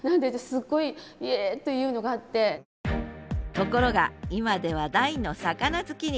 ところが今では大の魚好きに。